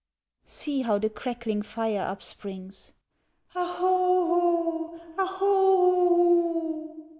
See, how the crackling fire up springs, "O hoho, O hoho o o!"